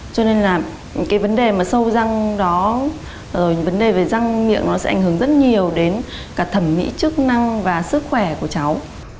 cho nên là cái vấn đề mà sâu răng đó vấn đề về răng miệng nó sẽ ảnh hưởng rất nhiều đến cả thẩm mỹ chức năng và sức khỏe của cháu